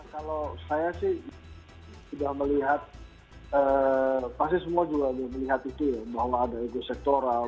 kalau saya sih sudah melihat pasti semua juga melihat itu ya bahwa ada ego sektoral